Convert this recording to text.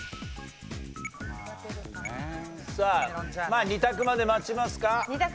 さあ２択まで待ちますか？